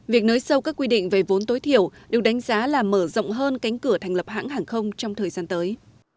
việc nới sâu các quy định về vốn tối thiểu được đánh giá là mở rộng hơn cánh cửa thành lập hãng hàng không trong thời gian tới